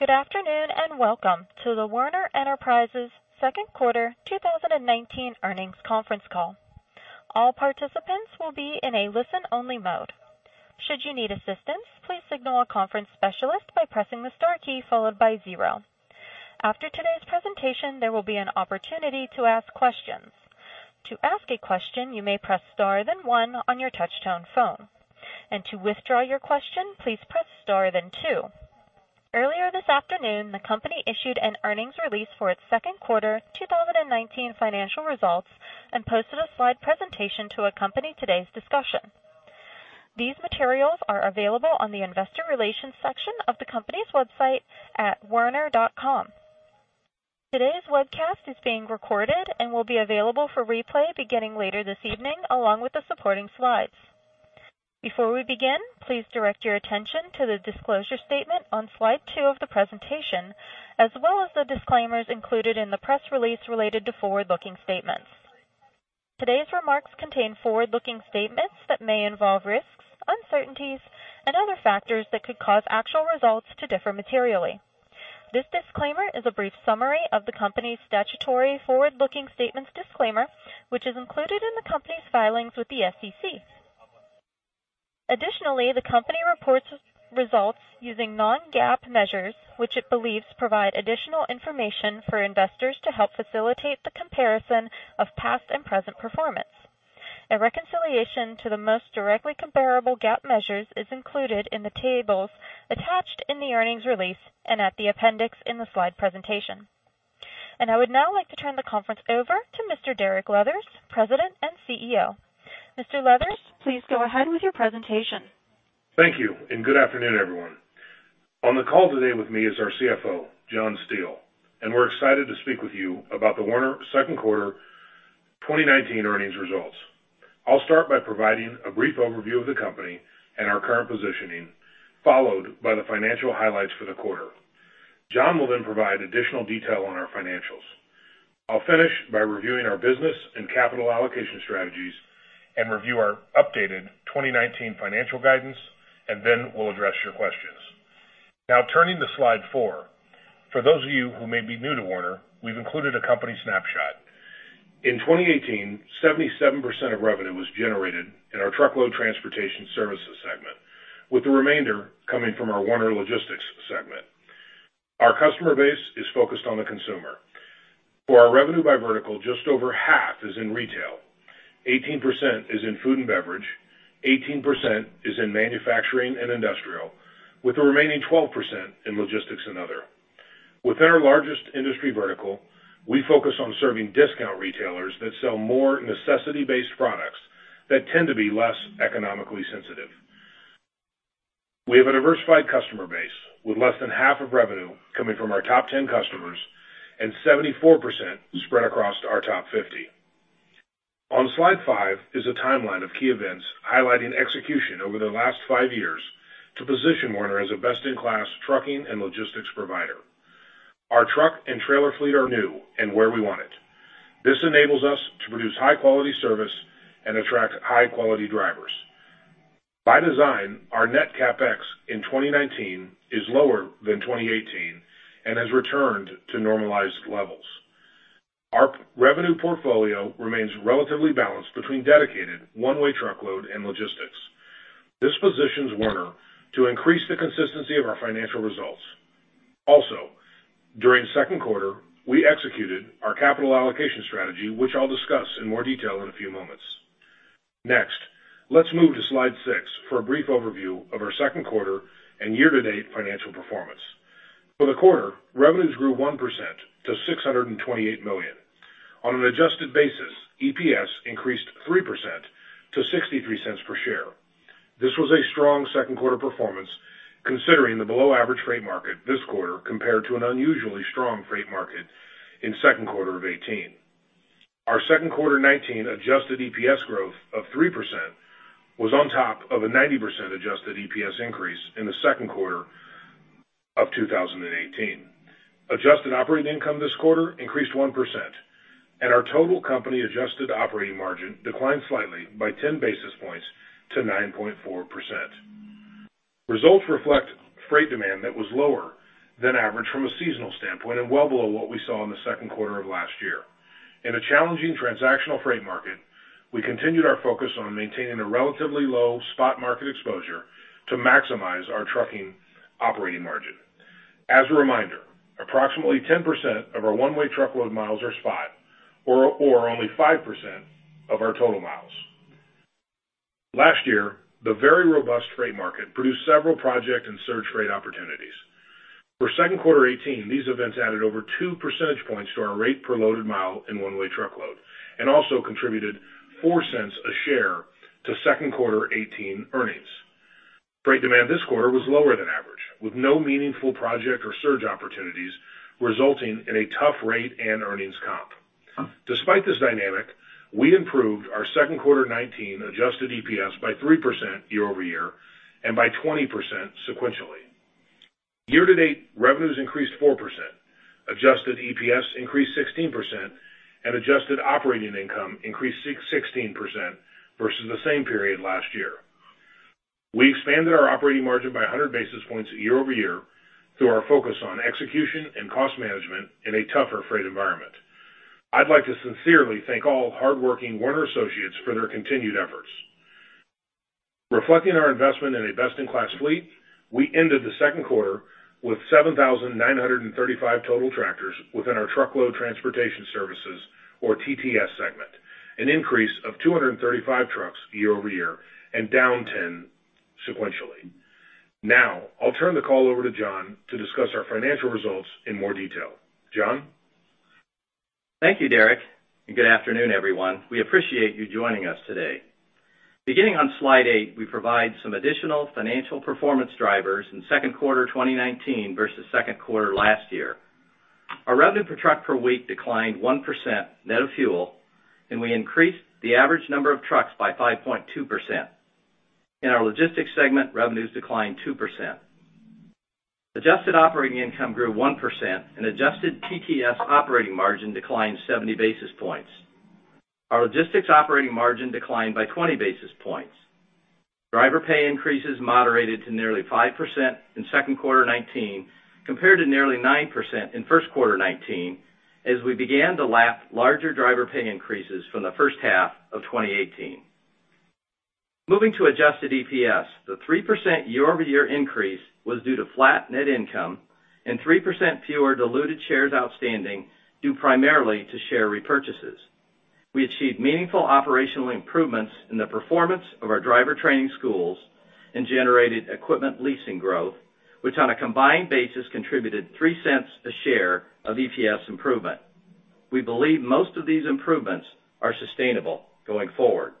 Good afternoon, and welcome to the Werner Enterprises second quarter 2019 earnings conference call. All participants will be in a listen-only mode. Should you need assistance, please signal a conference specialist by pressing the star key followed by zero. After today's presentation, there will be an opportunity to ask questions. To ask a question, you may press Star, then one on your touchtone phone. To withdraw your question, please press Star, then two. Earlier this afternoon, the company issued an earnings release for its second quarter 2019 financial results and posted a slide presentation to accompany today's discussion. These materials are available on the investor relations section of the company's website at werner.com. Today's webcast is being recorded and will be available for replay beginning later this evening, along with the supporting slides. Before we begin, please direct your attention to the disclosure statement on slide two of the presentation, as well as the disclaimers included in the press release related to forward-looking statements. Today's remarks contain forward-looking statements that may involve risks, uncertainties, and other factors that could cause actual results to differ materially. This disclaimer is a brief summary of the company's statutory forward-looking statements disclaimer, which is included in the company's filings with the SEC. Additionally, the company reports results using non-GAAP measures, which it believes provide additional information for investors to help facilitate the comparison of past and present performance. A reconciliation to the most directly comparable GAAP measures is included in the tables attached in the earnings release and at the appendix in the slide presentation. I would now like to turn the conference over to Mr. Derek Leathers, President and CEO. Mr. Leathers, please go ahead with your presentation. Thank you, and good afternoon, everyone. On the call today with me is our CFO, John Steele, and we're excited to speak with you about the Werner second quarter 2019 earnings results. I'll start by providing a brief overview of the company and our current positioning, followed by the financial highlights for the quarter. John will provide additional detail on our financials. I'll finish by reviewing our business and capital allocation strategies and review our updated 2019 financial guidance, and then we'll address your questions. Turning to slide four, for those of you who may be new to Werner, we've included a company snapshot. In 2018, 77% of revenue was generated in our Truckload Transportation Services segment, with the remainder coming from our Werner Logistics segment. Our customer base is focused on the consumer. For our revenue by vertical, just over half is in retail, 18% is in food and beverage, 18% is in manufacturing and industrial, with the remaining 12% in logistics and other. Within our largest industry vertical, we focus on serving discount retailers that sell more necessity-based products that tend to be less economically sensitive. We have a diversified customer base, with less than half of revenue coming from our top 10 customers and 74% spread across our top 50. On slide five is a timeline of key events highlighting execution over the last five years to position Werner as a best-in-class trucking and logistics provider. Our truck and trailer fleet are new and where we want it. This enables us to produce high-quality service and attract high-quality drivers. By design, our net CapEx in 2019 is lower than 2018 and has returned to normalized levels. Our revenue portfolio remains relatively balanced between dedicated, one-way truckload, and logistics. This positions Werner to increase the consistency of our financial results. Also, during second quarter, we executed our capital allocation strategy, which I'll discuss in more detail in a few moments. Let's move to slide six for a brief overview of our second quarter and year-to-date financial performance. For the quarter, revenues grew 1% to $628 million. On an adjusted basis, EPS increased 3% to $0.63 per share. This was a strong second quarter performance considering the below-average freight market this quarter compared to an unusually strong freight market in second quarter of 2018. Our second quarter 2019 adjusted EPS growth of 3% was on top of a 90% adjusted EPS increase in the second quarter of 2018. Adjusted operating income this quarter increased 1%. Our total company adjusted operating margin declined slightly by 10 basis points to 9.4%. Results reflect freight demand that was lower than average from a seasonal standpoint and well below what we saw in the second quarter of last year. In a challenging transactional freight market, we continued our focus on maintaining a relatively low spot market exposure to maximize our trucking operating margin. As a reminder, approximately 10% of our one-way truckload miles are spot or only 5% of our total miles. Last year, the very robust freight market produced several project and surge freight opportunities. For second quarter 2018, these events added over two percentage points to our rate per loaded mile in one-way truckload and also contributed $0.04 a share to second quarter 2018 earnings. Freight demand this quarter was lower than average, with no meaningful project or surge opportunities, resulting in a tough rate and earnings comp. Despite this dynamic, we improved our second quarter 2019 adjusted EPS by 3% year-over-year and by 20% sequentially. Year-to-date, revenues increased 4%. Adjusted EPS increased 16% and adjusted operating income increased 16% versus the same period last year. We expanded our operating margin by 100 basis points year-over-year through our focus on execution and cost management in a tougher freight environment. I'd like to sincerely thank all hardworking Werner Associates for their continued efforts. Reflecting our investment in a best-in-class fleet, we ended the second quarter with 7,935 total tractors within our Truckload Transportation Services, or TTS segment, an increase of 235 trucks year-over-year and down 10 sequentially. Now, I'll turn the call over to John to discuss our financial results in more detail. John? Thank you, Derek, and good afternoon, everyone. We appreciate you joining us today. Beginning on slide eight, we provide some additional financial performance drivers in second quarter 2019 versus second quarter last year. Our revenue per truck per week declined 1% net of fuel, and we increased the average number of trucks by 5.2%. In our logistics segment, revenues declined 2%. Adjusted operating income grew 1%, and adjusted TTS operating margin declined 70 basis points. Our logistics operating margin declined by 20 basis points. Driver pay increases moderated to nearly 5% in second quarter 2019, compared to nearly 9% in first quarter 2019, as we began to lap larger driver pay increases from the first half of 2018. Moving to adjusted EPS, the 3% year-over-year increase was due to flat net income and 3% fewer diluted shares outstanding, due primarily to share repurchases. We achieved meaningful operational improvements in the performance of our driver training schools and generated equipment leasing growth, which on a combined basis, contributed $0.03 a share of EPS improvement. We believe most of these improvements are sustainable going forward.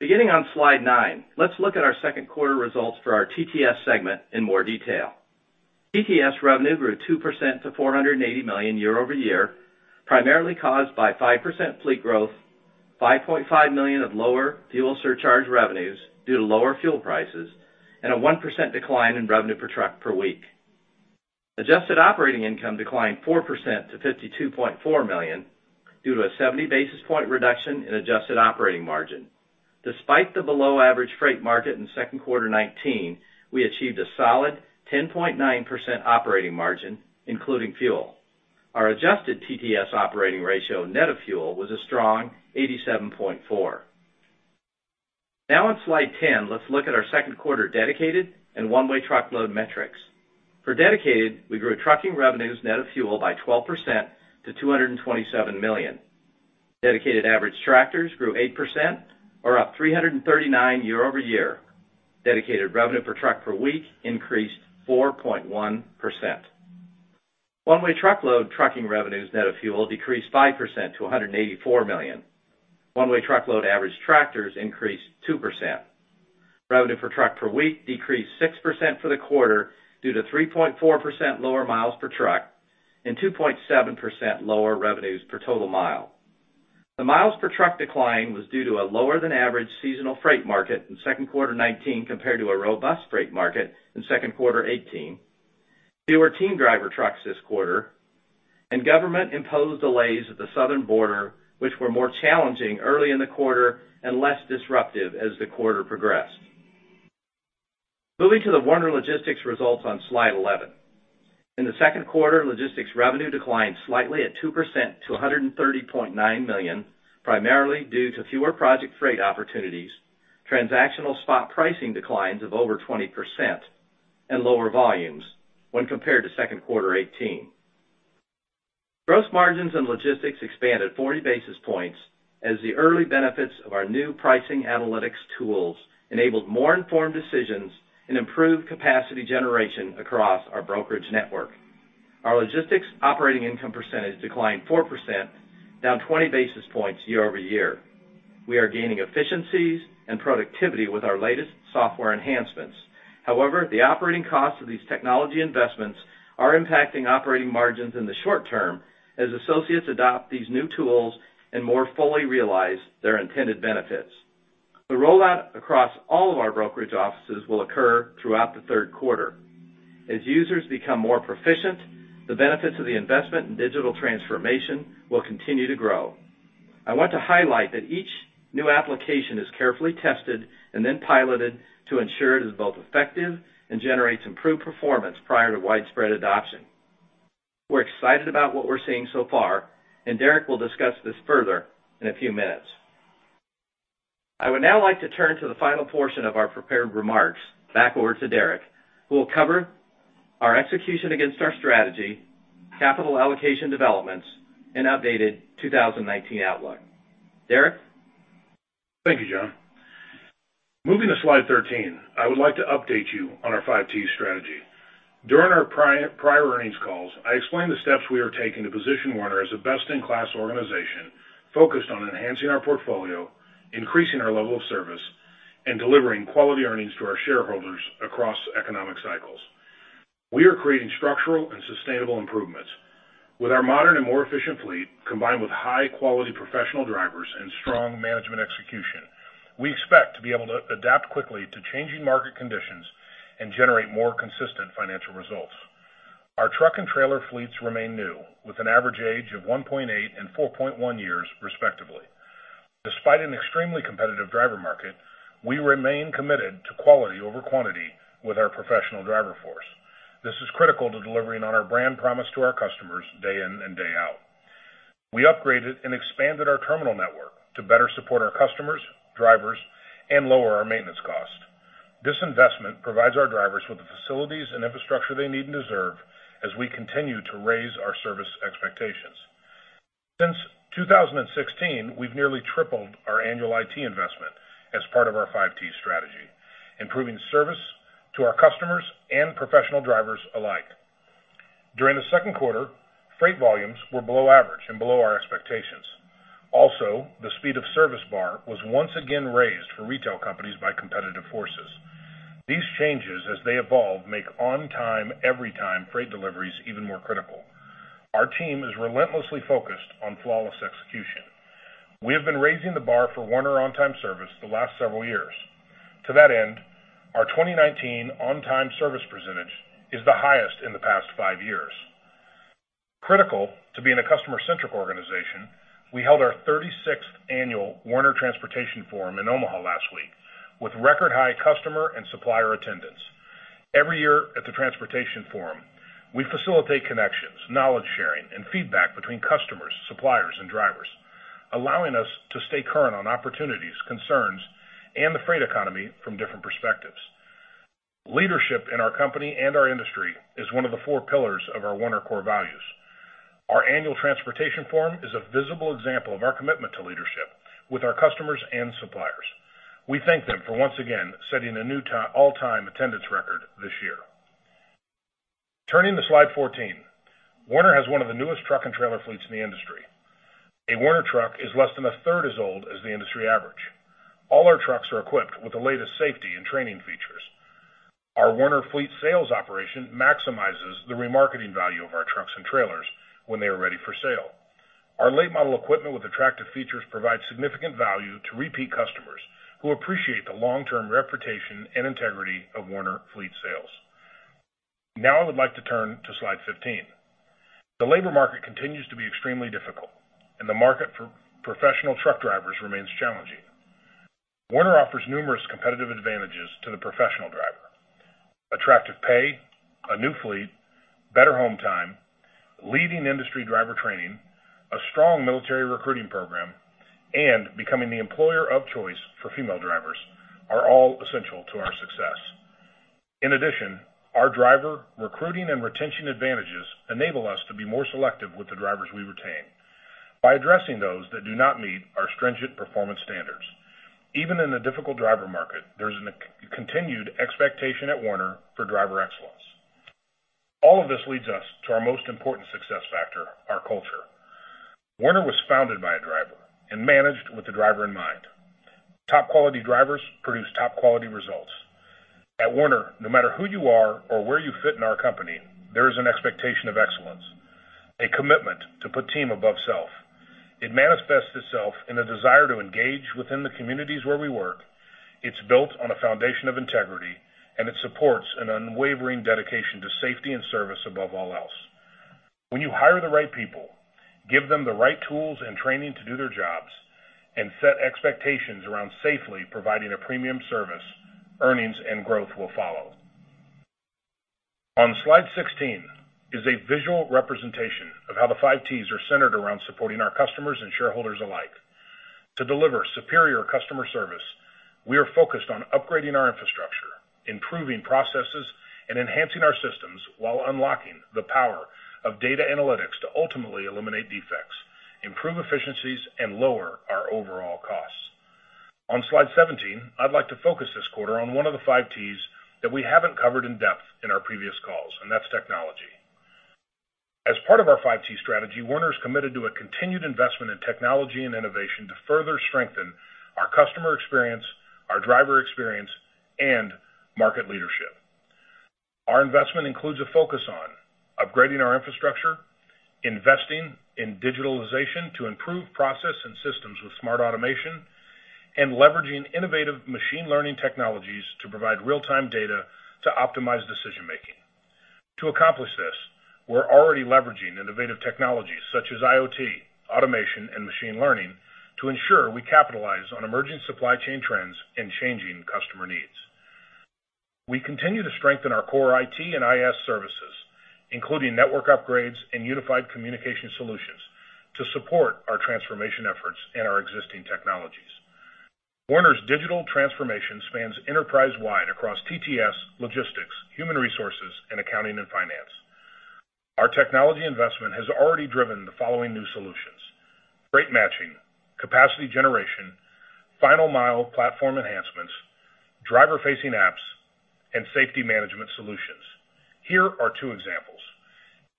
Beginning on slide nine, let's look at our second quarter results for our TTS segment in more detail. TTS revenue grew 2% to $480 million year-over-year, primarily caused by 5% fleet growth, $5.5 million of lower fuel surcharge revenues due to lower fuel prices, and a 1% decline in revenue per truck per week. Adjusted operating income declined 4% to $52.4 million, due to a 70 basis point reduction in adjusted operating margin. Despite the below average freight market in second quarter 2019, we achieved a solid 10.9% operating margin, including fuel. Our adjusted TTS operating ratio net of fuel was a strong 87.4%. On slide 10, let's look at our second quarter dedicated and one-way truckload metrics. For dedicated, we grew trucking revenues net of fuel by 12% to $227 million. Dedicated average tractors grew 8%, or up 339 year-over-year. Dedicated revenue per truck per week increased 4.1%. One-way truckload trucking revenues net of fuel decreased 5% to $184 million. One-way truckload average tractors increased 2%. Revenue per truck per week decreased 6% for the quarter due to 3.4% lower miles per truck and 2.7% lower revenues per total mile. The miles per truck decline was due to a lower than average seasonal freight market in second quarter 2019, compared to a robust freight market in second quarter 2018, fewer team driver trucks this quarter, and government-imposed delays at the southern border, which were more challenging early in the quarter and less disruptive as the quarter progressed. Moving to the Werner Logistics results on slide 11. In the second quarter, logistics revenue declined slightly at 2% to $130.9 million, primarily due to fewer project freight opportunities, transactional spot pricing declines of over 20%, and lower volumes when compared to second quarter 2018. Gross margins and logistics expanded 40 basis points as the early benefits of our new pricing analytics tools enabled more informed decisions and improved capacity generation across our brokerage network. Our logistics operating income percentage declined 4%, down 20 basis points year over year. We are gaining efficiencies and productivity with our latest software enhancements. However, the operating costs of these technology investments are impacting operating margins in the short term as associates adopt these new tools and more fully realize their intended benefits. The rollout across all of our brokerage offices will occur throughout the third quarter. As users become more proficient, the benefits of the investment in digital transformation will continue to grow. I want to highlight that each new application is carefully tested and then piloted to ensure it is both effective and generates improved performance prior to widespread adoption. We're excited about what we're seeing so far, and Derek will discuss this further in a few minutes. I would now like to turn to the final portion of our prepared remarks back over to Derek, who will cover our execution against our strategy, capital allocation developments, and updated 2019 outlook. Derek? Thank you, John. Moving to slide 13, I would like to update you on our 5T strategy. During our prior earnings calls, I explained the steps we are taking to position Werner as a best-in-class organization focused on enhancing our portfolio, increasing our level of service, and delivering quality earnings to our shareholders across economic cycles. We are creating structural and sustainable improvements. With our modern and more efficient fleet, combined with high-quality professional drivers and strong management execution, we expect to be able to adapt quickly to changing market conditions and generate more consistent financial results. Our truck and trailer fleets remain new, with an average age of 1.8 and 4.1 years respectively. Despite an extremely competitive driver market, we remain committed to quality over quantity with our professional driver force. This is critical to delivering on our brand promise to our customers day in and day out. We upgraded and expanded our terminal network to better support our customers, drivers, and lower our maintenance cost. This investment provides our drivers with the facilities and infrastructure they need and deserve as we continue to raise our service expectations. Since 2016, we've nearly tripled our annual IT investment as part of our 5T strategy, improving service to our customers and professional drivers alike. During the second quarter, freight volumes were below average and below our expectations. The speed of service bar was once again raised for retail companies by competitive forces. These changes, as they evolve, make on-time, every-time freight deliveries even more critical. Our team is relentlessly focused on flawless execution. We have been raising the bar for Werner on-time service the last several years. To that end, our 2019 on-time service percentage is the highest in the past five years. Critical to being a customer-centric organization, we held our 36th annual Werner Transportation Forum in Omaha last week, with record high customer and supplier attendance. Every year at the Transportation Forum, we facilitate connections, knowledge sharing, and feedback between customers, suppliers, and drivers, allowing us to stay current on opportunities, concerns, and the freight economy from different perspectives. Leadership in our company and our industry is one of the four pillars of our Werner core values. Our annual Transportation Forum is a visible example of our commitment to leadership with our customers and suppliers. We thank them for once again setting a new all-time attendance record this year. Turning to slide 14. Werner has one of the newest truck and trailer fleets in the industry. A Werner truck is less than a third as old as the industry average. All our trucks are equipped with the latest safety and training features. Our Werner Fleet Sales operation maximizes the remarketing value of our trucks and trailers when they are ready for sale. Our late-model equipment with attractive features provides significant value to repeat customers who appreciate the long-term reputation and integrity of Werner Fleet Sales. Now I would like to turn to slide 15. The labor market continues to be extremely difficult, and the market for professional truck drivers remains challenging. Werner offers numerous competitive advantages to the professional driver. Attractive pay, a new fleet, better home time, leading industry driver training, a strong military recruiting program, and becoming the employer of choice for female drivers are all essential to our success. In addition, our driver recruiting and retention advantages enable us to be more selective with the drivers we retain by addressing those that do not meet our stringent performance standards. Even in the difficult driver market, there's a continued expectation at Werner for driver excellence. All of this leads us to our most important success factor, our culture. Werner was founded by a driver and managed with the driver in mind. Top-quality drivers produce top-quality results. At Werner, no matter who you are or where you fit in our company, there is an expectation of excellence, a commitment to put team above self. It manifests itself in a desire to engage within the communities where we work. It's built on a foundation of integrity. It supports an unwavering dedication to safety and service above all else. When you hire the right people, give them the right tools and training to do their jobs, and set expectations around safely providing a premium service, earnings and growth will follow. On slide 16 is a visual representation of how the 5Ts are centered around supporting our customers and shareholders alike. To deliver superior customer service, we are focused on upgrading our infrastructure, improving processes, and enhancing our systems while unlocking the power of data analytics to ultimately eliminate defects, improve efficiencies, and lower our overall costs. On slide 17, I'd like to focus this quarter on one of the 5Ts that we haven't covered in depth in our previous calls, and that's technology. As part of our 5T strategy, Werner is committed to a continued investment in technology and innovation to further strengthen our customer experience, our driver experience, and market leadership. Our investment includes a focus on upgrading our infrastructure, investing in digitalization to improve process and systems with smart automation, and leveraging innovative machine learning technologies to provide real-time data to optimize decision-making. To accomplish this, we're already leveraging innovative technologies such as IoT, automation, and machine learning to ensure we capitalize on emerging supply chain trends and changing customer needs. We continue to strengthen our core IT and IS services, including network upgrades and unified communication solutions to support our transformation efforts in our existing technologies. Werner's digital transformation spans enterprise-wide across TTS, logistics, human resources, and accounting and finance. Our technology investment has already driven the following new solutions: rate matching, capacity generation, final-mile platform enhancements, driver-facing apps, and safety management solutions. Here are two examples.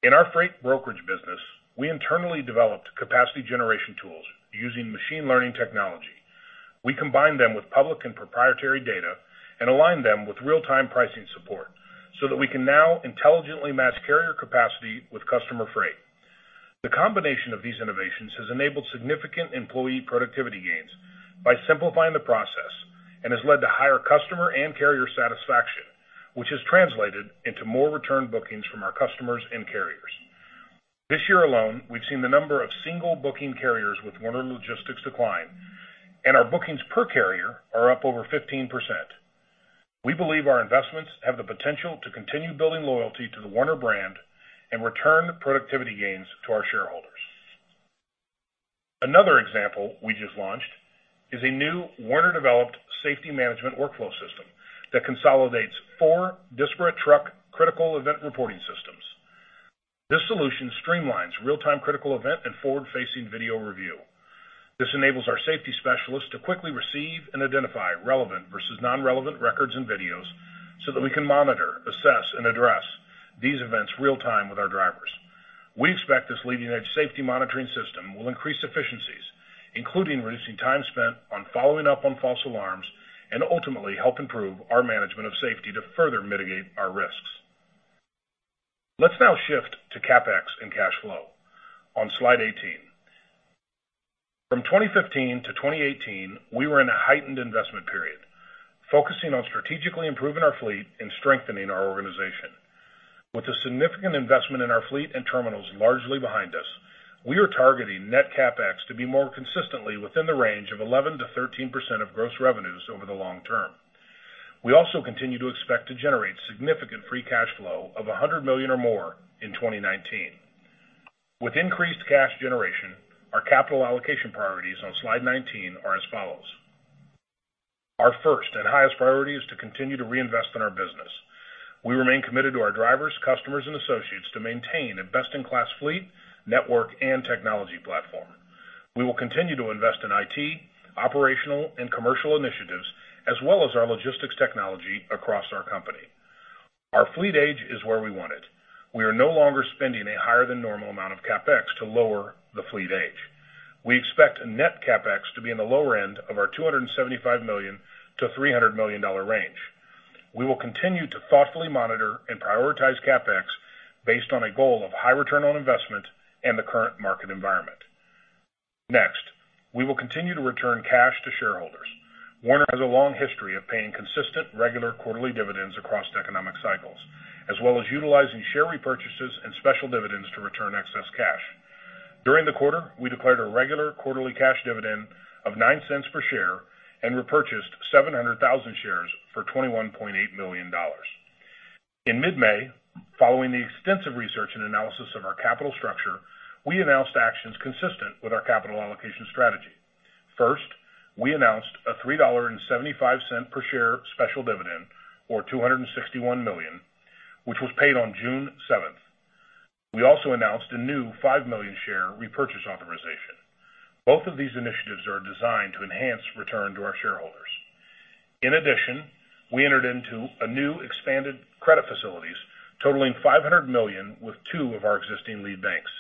In our freight brokerage business, we internally developed capacity generation tools using machine learning technology. We combine them with public and proprietary data and align them with real-time pricing support so that we can now intelligently match carrier capacity with customer freight. The combination of these innovations has enabled significant employee productivity gains by simplifying the process and has led to higher customer and carrier satisfaction, which has translated into more return bookings from our customers and carriers. This year alone, we've seen the number of single-booking carriers with Werner Logistics decline, and our bookings per carrier are up over 15%. We believe our investments have the potential to continue building loyalty to the Werner brand and return productivity gains to our shareholders. Another example we just launched is a new Werner-developed safety management workflow system that consolidates four disparate truck critical event reporting systems. This solution streamlines real-time critical event and forward-facing video review. This enables our safety specialists to quickly receive and identify relevant versus non-relevant records and videos so that we can monitor, assess, and address these events real-time with our drivers. We expect this leading-edge safety monitoring system will increase efficiencies, including reducing time spent on following up on false alarms, and ultimately help improve our management of safety to further mitigate our risks. Let's now shift to CapEx and cash flow on slide 18. From 2015 to 2018, we were in a heightened investment period, focusing on strategically improving our fleet and strengthening our organization. With a significant investment in our fleet and terminals largely behind us, we are targeting net CapEx to be more consistently within the range of 11%-13% of gross revenues over the long term. We also continue to expect to generate significant free cash flow of $100 million or more in 2019. With increased cash generation, our capital allocation priorities on slide 19 are as follows. Our first and highest priority is to continue to reinvest in our business. We remain committed to our drivers, customers, and associates to maintain a best-in-class fleet, network, and technology platform. We will continue to invest in IT, operational, and commercial initiatives, as well as our logistics technology across our company. Our fleet age is where we want it. We are no longer spending a higher than normal amount of CapEx to lower the fleet age. We expect net CapEx to be in the lower end of our $275 million-$300 million range. We will continue to thoughtfully monitor and prioritize CapEx based on a goal of high return on investment and the current market environment. Next, we will continue to return cash to shareholders. Werner has a long history of paying consistent, regular quarterly dividends across economic cycles, as well as utilizing share repurchases and special dividends to return excess cash. During the quarter, we declared a regular quarterly cash dividend of $0.09 per share and repurchased 700,000 shares for $21.8 million. In mid-May, following the extensive research and analysis of our capital structure, we announced actions consistent with our capital allocation strategy. First, we announced a $3.75 per share special dividend, or $261 million, which was paid on June 7th. We also announced a new five million share repurchase authorization. Both of these initiatives are designed to enhance return to our shareholders. In addition, we entered into a new expanded credit facilities totaling $500 million with two of our existing lead banks.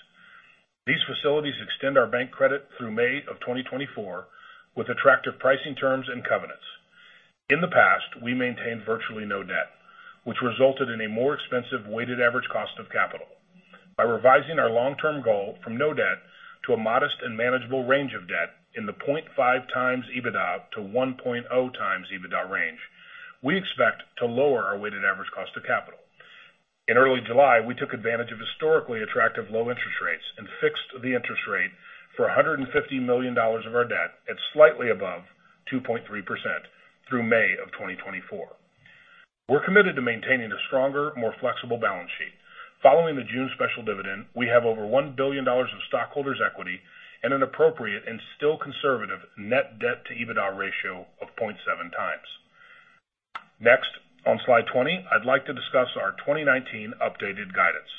These facilities extend our bank credit through May of 2024 with attractive pricing terms and covenants. In the past, we maintained virtually no debt, which resulted in a more expensive weighted average cost of capital. By revising our long-term goal from no debt to a modest and manageable range of debt in the 0.5x EBITDA to 1.0x EBITDA range, we expect to lower our weighted average cost of capital. In early July, we took advantage of historically attractive low interest rates and fixed the interest rate for $150 million of our debt at slightly above 2.3% through May of 2024. We're committed to maintaining a stronger, more flexible balance sheet. Following the June special dividend, we have over $1 billion of stockholders' equity and an appropriate and still conservative net debt to EBITDA ratio of 0.7x. Next, on slide 20, I'd like to discuss our 2019 updated guidance.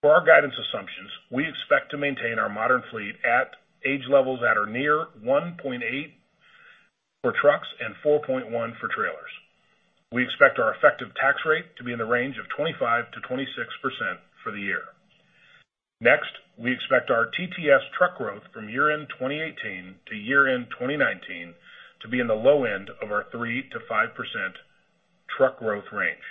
For our guidance assumptions, we expect to maintain our modern fleet at age levels that are near 1.8 for trucks and 4.1 for trailers. We expect our effective tax rate to be in the range of 25%-26% for the year. Next, we expect our TTS truck growth from year-end 2018 to year-end 2019 to be in the low end of our 3%-5% truck growth range,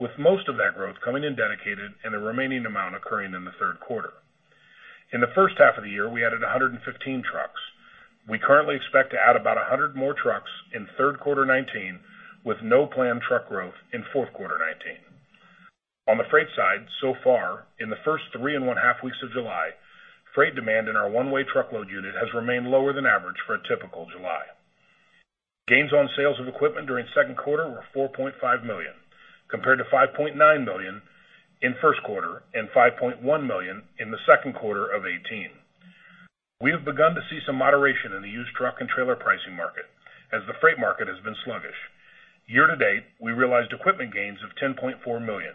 with most of that growth coming in dedicated and the remaining amount occurring in the third quarter. In the first half of the year, we added 115 trucks. We currently expect to add about 100 more trucks in third quarter 2019, with no planned truck growth in fourth quarter 2019. On the freight side, so far, in the first three and one half weeks of July, freight demand in our one-way truckload unit has remained lower than average for a typical July. Gains on sales of equipment during second quarter were $4.5 million, compared to $5.9 million in first quarter and $5.1 million in the second quarter of 2018. We have begun to see some moderation in the used truck and trailer pricing market as the freight market has been sluggish. Year-to-date, we realized equipment gains of $10.4 million.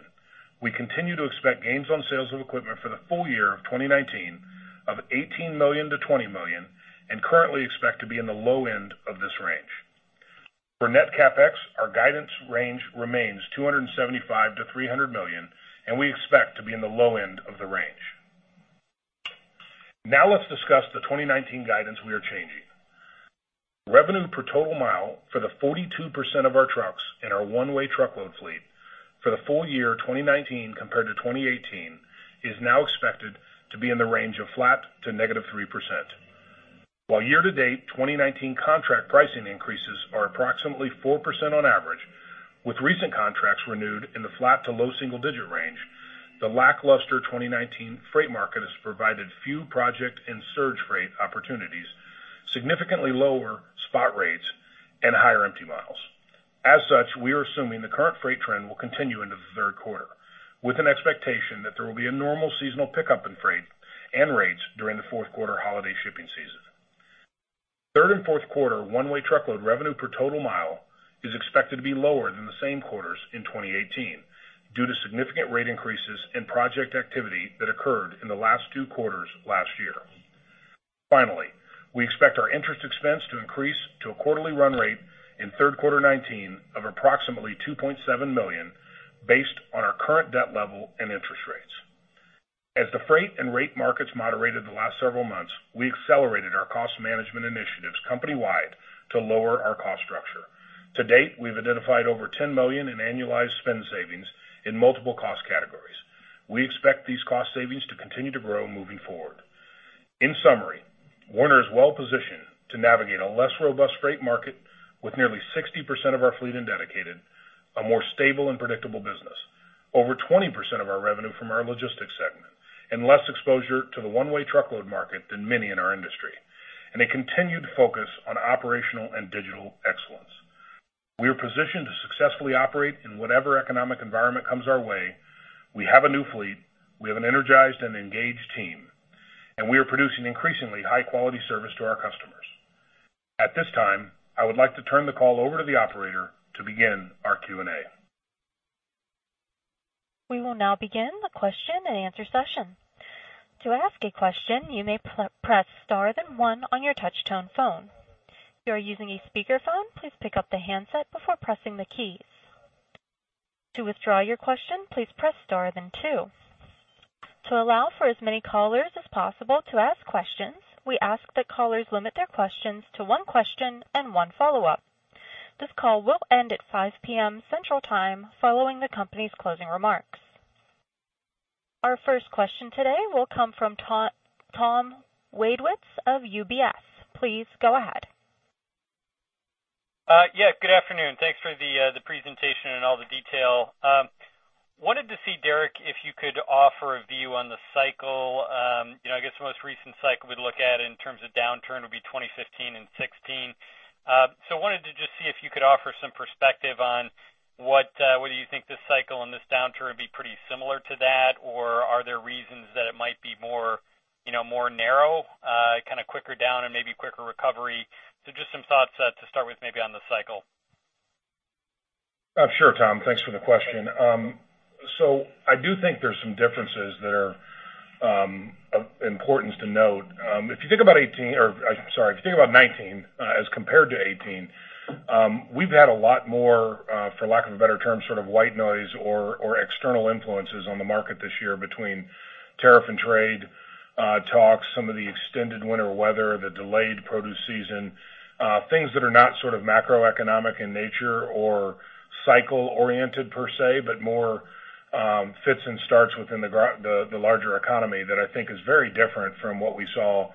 We continue to expect gains on sales of equipment for the full year of 2019 of $18 million-$20 million and currently expect to be in the low end of this range. For net CapEx, our guidance range remains $275 million-$300 million. We expect to be in the low end of the range. Let's discuss the 2019 guidance we are changing. Revenue per total mile for the 42% of our trucks in our one-way truckload fleet for the full year 2019 compared to 2018 is now expected to be in the range of flat to negative 3%. Year-to-date 2019 contract pricing increases are approximately 4% on average, with recent contracts renewed in the flat to low single-digit range, the lackluster 2019 freight market has provided few project and surge rate opportunities, significantly lower spot rates, and higher empty miles. We are assuming the current freight trend will continue into the third quarter with an expectation that there will be a normal seasonal pickup in freight and rates during the fourth quarter holiday shipping season. Third and fourth quarter one-way truckload revenue per total mile is expected to be lower than the same two quarters in 2018 due to significant rate increases and project activity that occurred in the last two quarters last year. We expect our interest expense to increase to a quarterly run rate in third quarter 2019 of approximately $2.7 million based on our current debt level and interest rates. As the freight and rate markets moderated the last several months, we accelerated our cost management initiatives company-wide to lower our cost structure. To date, we've identified over $10 million in annualized spend savings in multiple cost categories. We expect these cost savings to continue to grow moving forward. In summary, Werner is well positioned to navigate a less robust freight market with nearly 60% of our fleet in dedicated, a more stable and predictable business, over 20% of our revenue from our logistics segment, and less exposure to the one-way truckload market than many in our industry, and a continued focus on operational and digital excellence. We are positioned to successfully operate in whatever economic environment comes our way. We have a new fleet, we have an energized and engaged team, and we are producing increasingly high-quality service to our customers. At this time, I would like to turn the call over to the operator to begin our Q&A. We will now begin the question and answer session. To ask a question, you may press star, then one on your touch-tone phone. If you are using a speakerphone, please pick up the handset before pressing the keys. To withdraw your question, please press star, then two. To allow for as many callers as possible to ask questions, we ask that callers limit their questions to one question and one follow-up. This call will end at 5:00 P.M. Central Time following the company's closing remarks. Our first question today will come from Tom Wadewitz of UBS. Please go ahead. Yeah, good afternoon. Thanks for the presentation and all the detail. I wanted to see, Derek, if you could offer a view on the cycle. I guess the most recent cycle we'd look at in terms of downturn would be 2015 and 2016. I wanted to just see if you could offer some perspective on whether you think this cycle and this downturn would be pretty similar to that, or are there reasons that it might be more narrow, kind of quicker down and maybe quicker recovery? Just some thoughts to start with maybe on the cycle. Sure, Tom. Thanks for the question. I do think there's some differences that are of importance to note. If you think about 2019 as compared to 2018, we've had a lot more, for lack of a better term, sort of white noise or external influences on the market this year between tariff and trade talks, some of the extended winter weather, the delayed produce season, things that are not sort of macroeconomic in nature or cycle oriented per se, but more fits and starts within the larger economy that I think is very different from what we saw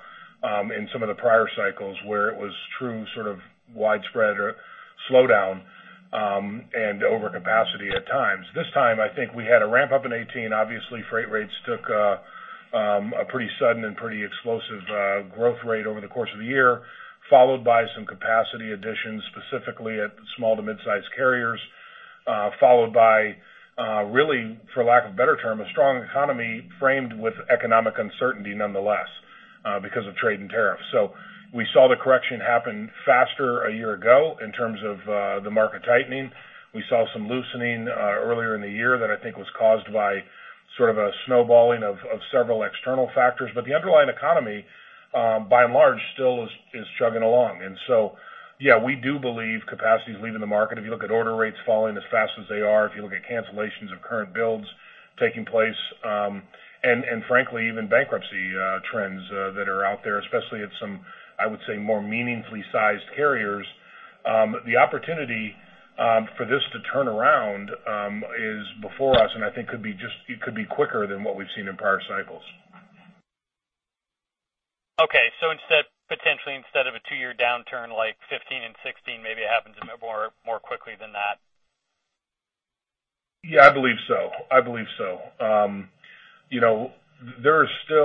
in some of the prior cycles where it was true sort of widespread or slowdown and overcapacity at times. This time, I think we had a ramp-up in 2018. Obviously, freight rates took a pretty sudden and pretty explosive growth rate over the course of the year, followed by some capacity additions, specifically at small to midsize carriers, followed by, really for lack of a better term, a strong economy framed with economic uncertainty nonetheless because of trade and tariffs. We saw the correction happen faster a year ago in terms of the market tightening. We saw some loosening earlier in the year that I think was caused by sort of a snowballing of several external factors. The underlying economy, by and large, still is chugging along. Yeah, we do believe capacity is leaving the market. If you look at order rates falling as fast as they are, if you look at cancellations of current builds taking place, and frankly, even bankruptcy trends that are out there, especially at some, I would say, more meaningfully sized carriers, the opportunity for this to turn around is before us, and I think it could be quicker than what we've seen in prior cycles. Okay. Potentially instead of a two-year downturn like 2015 and 2016, maybe it happens a bit more quickly than that? I believe so.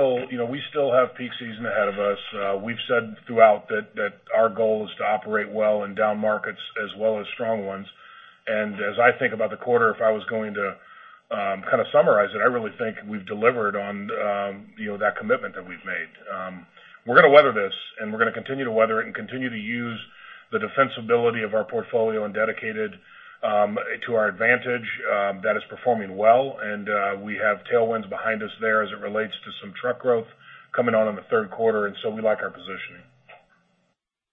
We still have peak season ahead of us. We've said throughout that our goal is to operate well in down markets as well as strong ones. As I think about the quarter, if I was going to kind of summarize it, I really think we've delivered on that commitment that we've made. We're going to weather this, and we're going to continue to weather it and continue to use the defensibility of our portfolio in dedicated to our advantage. That is performing well. We have tailwinds behind us there as it relates to some truck growth coming on in the third quarter. So we like our positioning.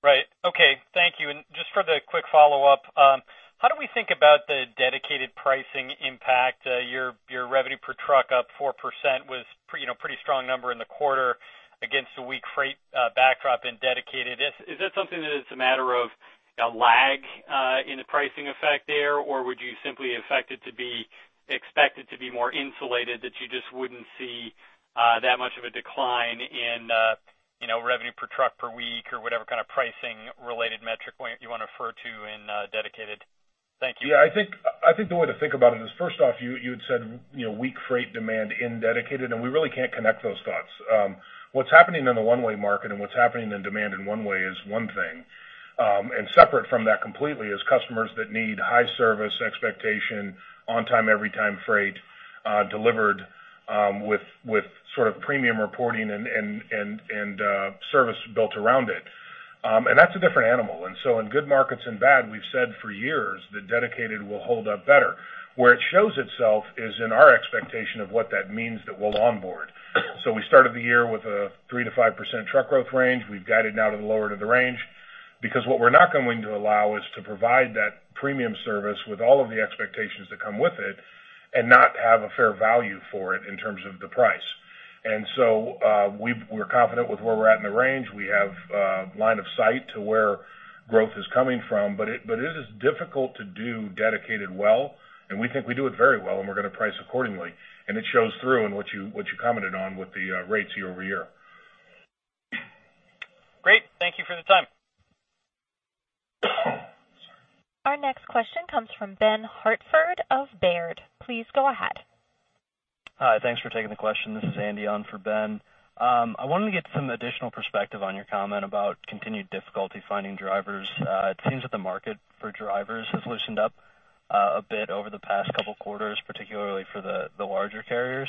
Right. Okay. Thank you. Just for the quick follow-up, how do we think about the dedicated pricing impact? Your revenue per truck up 4% was a pretty strong number in the quarter against a weak freight backdrop in dedicated. Is that something that is a matter of a lag in the pricing effect there, or would you simply expect it to be more insulated that you just wouldn't see that much of a decline in revenue per truck per week or whatever kind of pricing-related metric point you want to refer to in dedicated? Thank you. Yeah, I think the way to think about it is, first off, you had said weak freight demand in dedicated. We really can't connect those dots. What's happening in the one-way market and what's happening in demand in one way is one thing. Separate from that completely is customers that need high service expectation, on-time, every-time freight delivered with sort of premium reporting and service built around it. That's a different animal. In good markets and bad, we've said for years that dedicated will hold up better. Where it shows itself is in our expectation of what that means that we'll onboard. We started the year with a 3%-5% truck growth range. We've guided now to the lower end of the range. Because what we're not going to allow is to provide that premium service with all of the expectations that come with it and not have a fair value for it in terms of the price. We're confident with where we're at in the range. We have line of sight to where growth is coming from, but it is difficult to do dedicated well, and we think we do it very well, and we're going to price accordingly. It shows through in what you commented on with the rates year-over-year. Great. Thank you for the time. Our next question comes from Ben Hartford of Baird. Please go ahead. Hi. Thanks for taking the question. This is Andy on for Ben. I wanted to get some additional perspective on your comment about continued difficulty finding drivers. It seems that the market for drivers has loosened up a bit over the past couple of quarters, particularly for the larger carriers.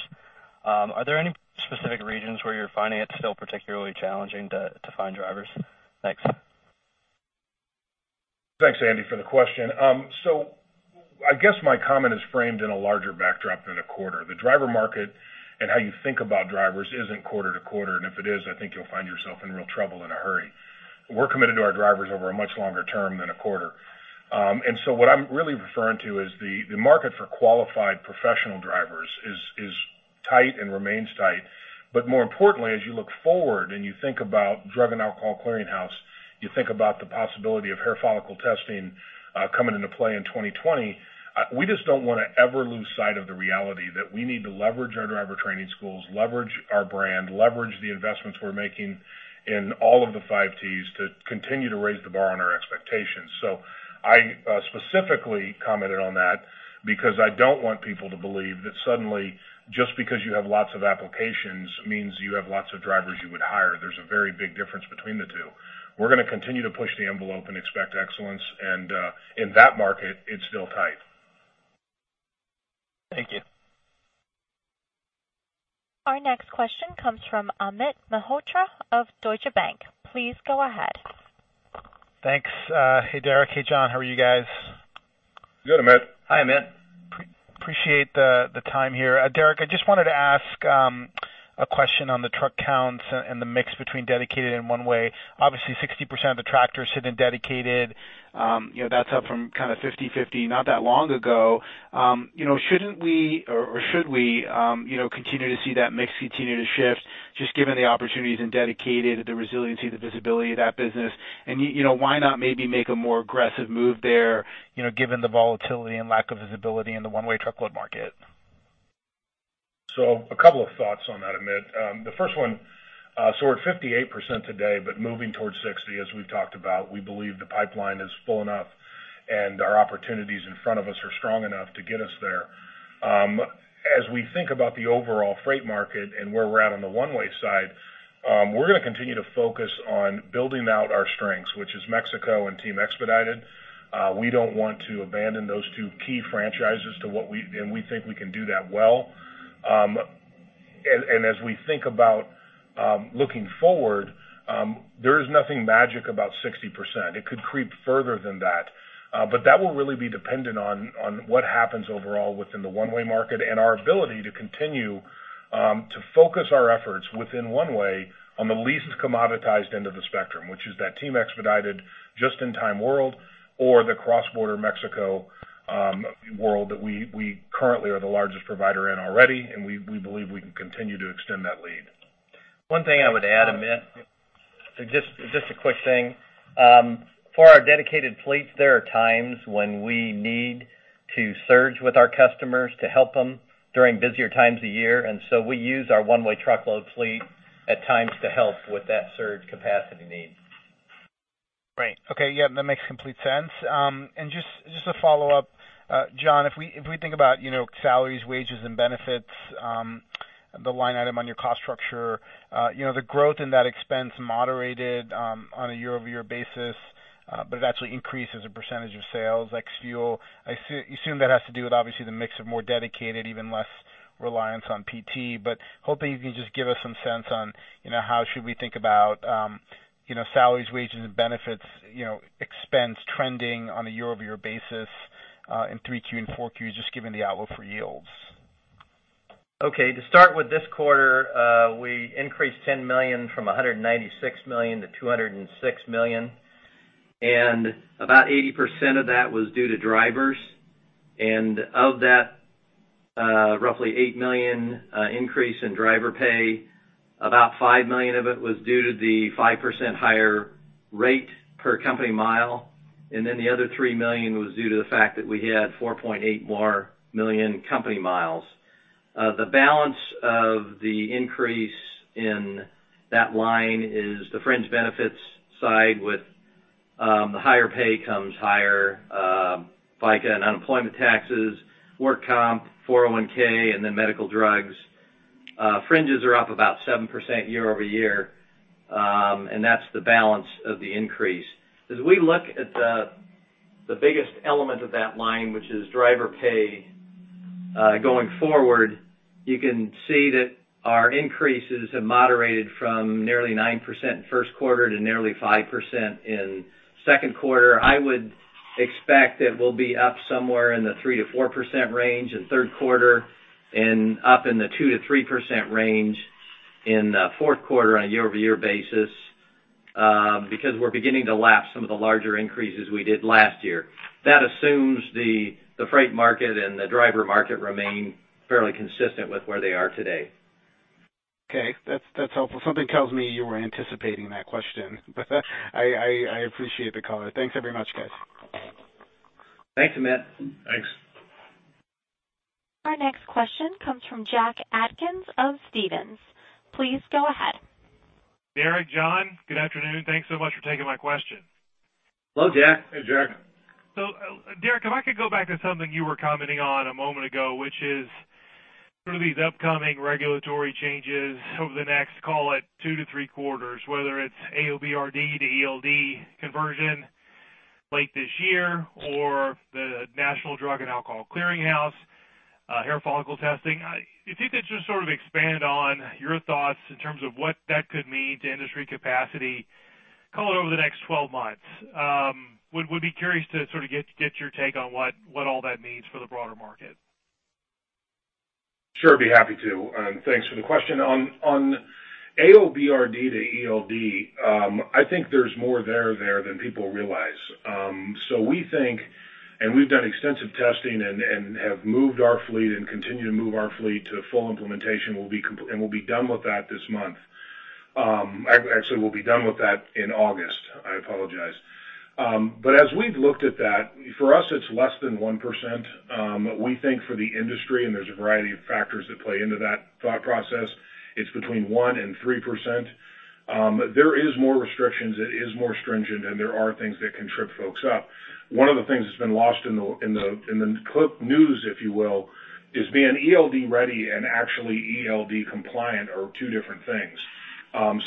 Are there any specific regions where you're finding it still particularly challenging to find drivers? Thanks. Thanks, Andy, for the question. I guess my comment is framed in a larger backdrop than a quarter. The driver market and how you think about drivers isn't quarter to quarter, and if it is, I think you'll find yourself in real trouble in a hurry. We're committed to our drivers over a much longer term than a quarter. What I'm really referring to is the market for qualified professional drivers is tight and remains tight. More importantly, as you look forward and you think about Drug & Alcohol Clearinghouse, you think about the possibility of hair follicle testing coming into play in 2020. We just don't want to ever lose sight of the reality that we need to leverage our driver training schools, leverage our brand, leverage the investments we're making in all of the 5Ts to continue to raise the bar on our expectations. I specifically commented on that because I don't want people to believe that suddenly, just because you have lots of applications means you have lots of drivers you would hire. There's a very big difference between the two. We're going to continue to push the envelope and expect excellence. And in that market, it's still tight. Thank you. Our next question comes from Amit Mehrotra of Deutsche Bank. Please go ahead. Thanks. Hey, Derek. Hey, John. How are you guys? Good, Amit. Hi, Amit. Appreciate the time here. Derek, I just wanted to ask a question on the truck counts and the mix between dedicated and one way. Obviously, 60% of the tractors sit in dedicated. That's up from kind of 50/50 not that long ago. Shouldn't we or should we continue to see that mix continue to shift, just given the opportunities in dedicated, the resiliency, the visibility of that business? Why not maybe make a more aggressive move there, given the volatility and lack of visibility in the one-way truckload market? A couple of thoughts on that, Amit. The first one, we're at 58% today, but moving towards 60%, as we've talked about. We believe the pipeline is full enough, and our opportunities in front of us are strong enough to get us there. As we think about the overall freight market and where we're at on the one-way side, we're going to continue to focus on building out our strengths, which is Mexico and Team Expedited. We don't want to abandon those two key franchises, and we think we can do that well. As we think about looking forward, there is nothing magic about 60%. It could creep further than that. That will really be dependent on what happens overall within the one-way market and our ability to continue to focus our efforts within one way on the least commoditized end of the spectrum, which is that Team Expedited just-in-time world or the cross-border Mexico world that we currently are the largest provider in already, and we believe we can continue to extend that lead. One thing I would add, Amit, just a quick thing. For our dedicated fleets, there are times when we need to surge with our customers to help them during busier times of year, we use our one-way truckload fleet at times to help with that surge capacity need. Right. Okay, yeah, that makes complete sense. Just a follow-up. John, if we think about salaries, wages, and benefits, the line item on your cost structure, the growth in that expense moderated on a year-over-year basis but it actually increased as a percentage of sales, like fuel. I assume that has to do with obviously the mix of more dedicated, even less reliance on PT, but hoping you can just give us some sense on how should we think about salaries, wages, and benefits expense trending on a year-over-year basis in Q3 and Q4, just given the outlook for yields. Okay. To start with this quarter, we increased $10 million from $196 million to $206 million, and about 80% of that was due to drivers. Of that, roughly $8 million increase in driver pay, about $5 million of it was due to the 5% higher rate per company mile, and then the other $3 million was due to the fact that we had 4.8 more million company miles. The balance of the increase in that line is the fringe benefits side with the higher pay comes higher FICA and unemployment taxes, work comp, 401(k), and then medical drugs. Fringes are up about 7% year-over-year. That's the balance of the increase. As we look at the biggest element of that line, which is driver pay, going forward, you can see that our increases have moderated from nearly 9% in first quarter to nearly 5% in second quarter. I would expect that we'll be up somewhere in the 3%-4% range in third quarter and up in the 2%-3% range in fourth quarter on a year-over-year basis, because we're beginning to lap some of the larger increases we did last year. That assumes the freight market and the driver market remain fairly consistent with where they are today. Okay. That's helpful. Something tells me you were anticipating that question, but I appreciate the color. Thanks very much, guys. Thanks, Amit. Thanks. Our next question comes from Jack Atkins of Stephens. Please go ahead. Derek, John, good afternoon. Thanks so much for taking my question. Hello, Jack. Hey, Jack. Derek, if I could go back to something you were commenting on a moment ago, which is sort of these upcoming regulatory changes over the next, call it two to three quarters, whether it's AOBRD to ELD conversion late this year or the National Drug & Alcohol Clearinghouse, hair follicle testing. If you could just sort of expand on your thoughts in terms of what that could mean to industry capacity, call it over the next 12 months. Would be curious to sort of get your take on what all that means for the broader market. Sure, be happy to, and thanks for the question. On AOBRD to ELD, I think there's more there there than people realize. We think, and we've done extensive testing and have moved our fleet and continue to move our fleet to full implementation, and we'll be done with that this month. Actually, we'll be done with that in August, I apologize. As we've looked at that, for us, it's less than 1%. We think for the industry, and there's a variety of factors that play into that thought process, it's between 1% and 3%. There is more restrictions, it is more stringent, and there are things that can trip folks up. One of the things that's been lost in the news, if you will, is being ELD ready and actually ELD compliant are two different things.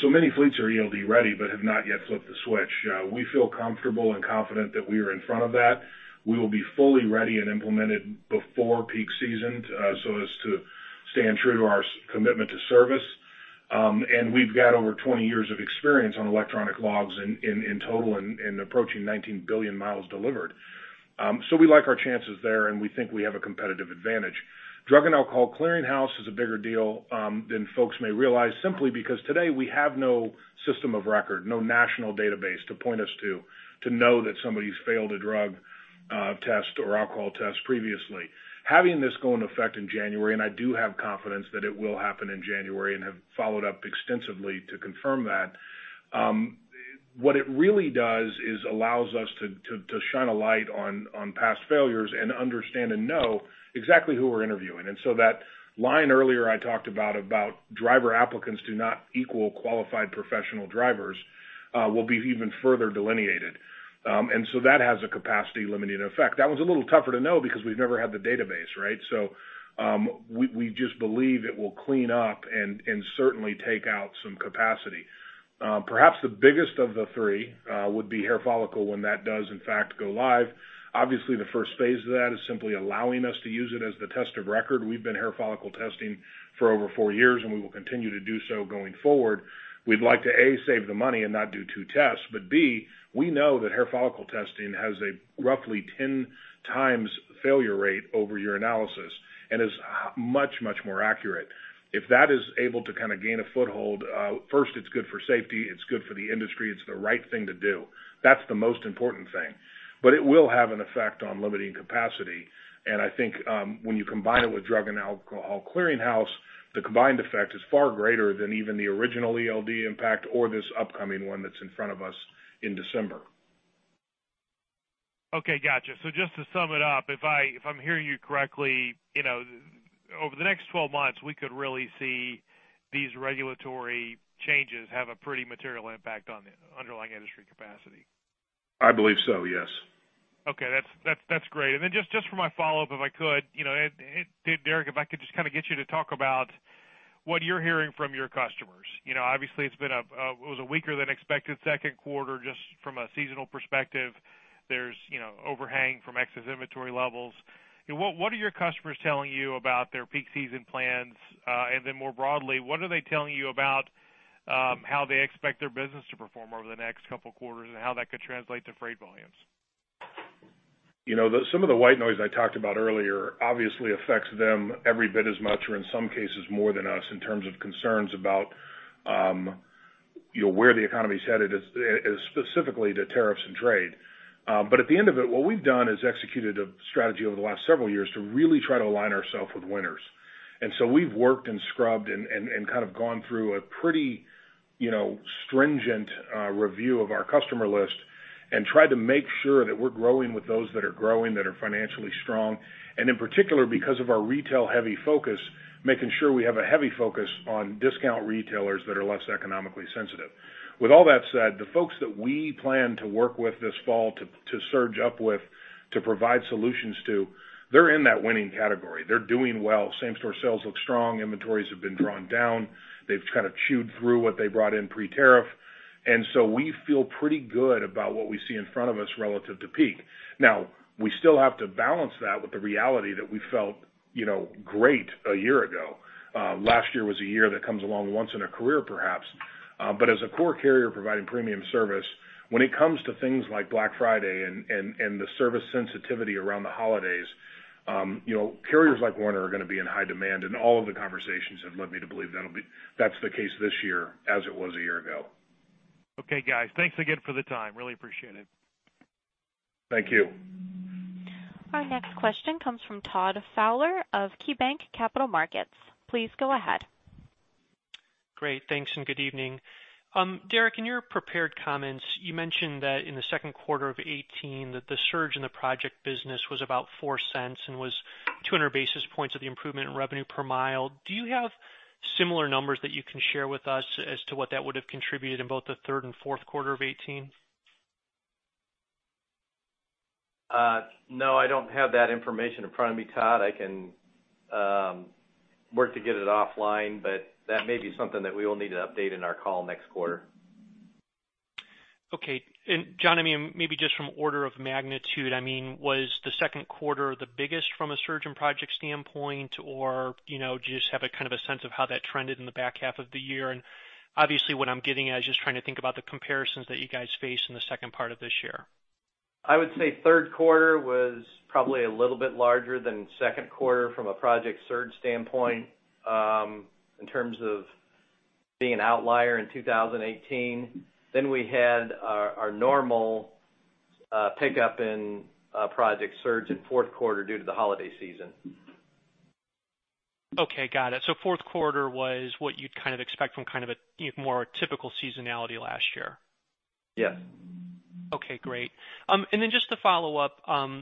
Many fleets are ELD ready but have not yet flipped the switch. We feel comfortable and confident that we are in front of that. We will be fully ready and implemented before peak season so as to stand true to our commitment to service. We've got over 20 years of experience on electronic logs in total and approaching 19 billion miles delivered. We like our chances there, and we think we have a competitive advantage. Drug & Alcohol Clearinghouse is a bigger deal than folks may realize, simply because today we have no system of record, no national database to point us to know that somebody's failed a drug test or alcohol test previously. Having this go into effect in January, and I do have confidence that it will happen in January and have followed up extensively to confirm that. What it really does is allows us to shine a light on past failures and understand and know exactly who we're interviewing. That line earlier I talked about driver applicants do not equal qualified professional drivers, will be even further delineated. That has a capacity limiting effect. That one's a little tougher to know because we've never had the database, right? We just believe it will clean up and certainly take out some capacity. Perhaps the biggest of the three would be hair follicle when that does in fact go live. Obviously, the first phase of that is simply allowing us to use it as the test of record. We've been hair follicle testing for over four years, and we will continue to do so going forward. We'd like to, A, save the money and not do two tests, but B, we know that hair follicle testing has a roughly 10 times failure rate over urinalysis and is much, much more accurate. If that is able to gain a foothold, first it's good for safety, it's good for the industry, it's the right thing to do. That's the most important thing. It will have an effect on limiting capacity, and I think when you combine it with Drug & Alcohol Clearinghouse, the combined effect is far greater than even the original ELD impact or this upcoming one that's in front of us in December. Okay, got you. Just to sum it up, if I'm hearing you correctly, over the next 12 months, we could really see these regulatory changes have a pretty material impact on the underlying industry capacity. I believe so, yes. Okay, that's great. Just for my follow-up, if I could, Derek, if I could just get you to talk about what you're hearing from your customers. You know, obviously, it was a weaker than expected second quarter just from a seasonal perspective. There's overhang from excess inventory levels. What are your customers telling you about their peak season plans? More broadly, what are they telling you about how they expect their business to perform over the next couple quarters, and how that could translate to freight volumes? Some of the white noise I talked about earlier obviously affects them every bit as much, or in some cases more than us, in terms of concerns about where the economy is headed, specifically to tariffs and trade. At the end of it, what we've done is executed a strategy over the last several years to really try to align ourselves with winners. We've worked and scrubbed and gone through a pretty stringent review of our customer list and tried to make sure that we're growing with those that are growing, that are financially strong, and in particular, because of our retail-heavy focus, making sure we have a heavy focus on discount retailers that are less economically sensitive. With all that said, the folks that we plan to work with this fall to surge up with to provide solutions to, they're in that winning category. They're doing well. Same-store sales look strong. Inventories have been drawn down. They've chewed through what they brought in pre-tariff. We feel pretty good about what we see in front of us relative to peak. Now, we still have to balance that with the reality that we felt great a year ago. Last year was a year that comes along once in a career, perhaps. As a core carrier providing premium service, when it comes to things like Black Friday and the service sensitivity around the holidays, carriers like Werner are going to be in high demand. All of the conversations have led me to believe that's the case this year as it was a year ago. Okay, guys. Thanks again for the time. Really appreciate it. Thank you. Our next question comes from Todd Fowler of KeyBanc Capital Markets. Please go ahead. Great. Thanks, good evening. Derek, in your prepared comments, you mentioned that in the second quarter of 2018 that the surge in the project business was about $0.04 and was 200 basis points of the improvement in revenue per mile. Do you have similar numbers that you can share with us as to what that would have contributed in both the third and fourth quarter of 2018? No, I don't have that information in front of me, Todd. I can work to get it offline, but that may be something that we will need to update in our call next quarter. Okay. John, maybe just from order of magnitude, was the second quarter the biggest from a surge and project standpoint, or do you just have a sense of how that trended in the back half of the year? Obviously what I'm getting at is just trying to think about the comparisons that you guys face in the second part of this year. I would say third quarter was probably a little bit larger than second quarter from a project surge standpoint, in terms of being an outlier in 2018. We had our normal pickup in project surge in fourth quarter due to the holiday season. Okay, got it. Fourth quarter was what you'd expect from a more typical seasonality last year. Yes. Okay, great. Then just to follow up,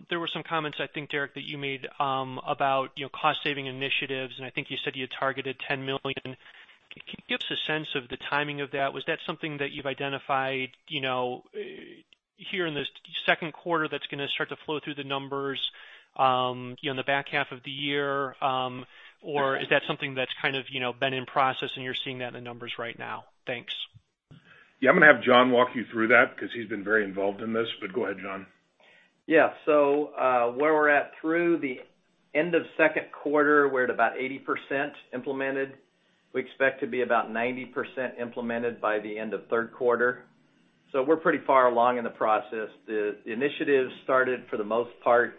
there were some comments, I think, Derek, that you made about cost-saving initiatives, and I think you said you targeted $10 million. Can you give us a sense of the timing of that? Was that something that you've identified here in the second quarter that's going to start to flow through the numbers in the back half of the year? Or is that something that's been in process and you're seeing that in the numbers right now? Thanks. Yeah. I'm going to have John walk you through that because he's been very involved in this. Go ahead, John. Yeah. Where we're at through the end of second quarter, we're at about 80% implemented. We expect to be about 90% implemented by the end of third quarter. We're pretty far along in the process. The initiative started, for the most part,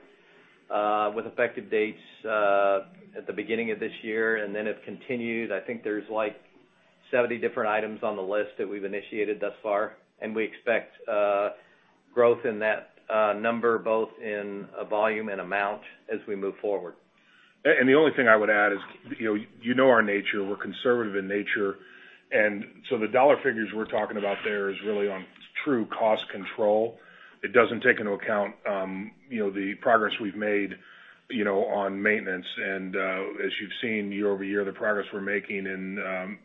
with effective dates at the beginning of this year, and then it continued. I think there's 70 different items on the list that we've initiated thus far, and we expect growth in that number, both in volume and amount as we move forward. The only thing I would add is, you know our nature. We're conservative in nature. The dollar figures we're talking about there is really on true cost control. It doesn't take into account the progress we've made on maintenance. As you've seen year-over-year, the progress we're making in